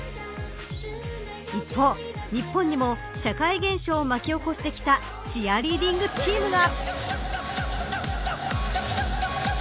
一方、日本にも社会現象を巻き起こしてきたチアリーディングチームが。